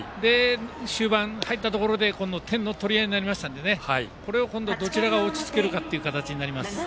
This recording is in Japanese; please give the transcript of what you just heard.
終盤入ったところで点の取り合いになりましたのでこれをどちらが落ち着けるかになります。